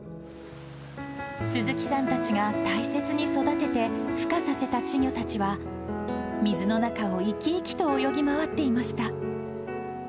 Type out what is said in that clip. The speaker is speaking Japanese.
鈴木さんたちが大切に育ててふ化させた稚魚たちは、水の中を生き生きと泳ぎ回っていました。